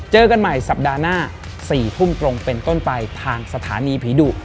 เจอกันใหม่สัปดาห์หน้า๔ทุ่มตรงเป็นต้นไปทางสถานีผีดุ